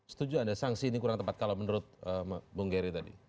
setuju anda sanksi ini kurang tepat kalau menurut bung gery tadi